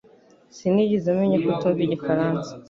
Sinigeze menya ko utumva igifaransa